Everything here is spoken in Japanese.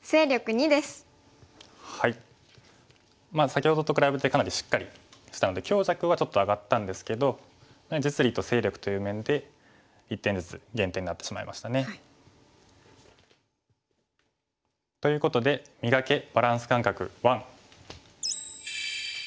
先ほどと比べてかなりしっかりしたので強弱はちょっと上がったんですけど実利と勢力という面で１点ずつ減点になってしまいましたね。ということで「磨け！バランス感覚１」。